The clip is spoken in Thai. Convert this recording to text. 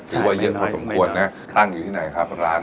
หรือว่าเยอะพอสมควรนะ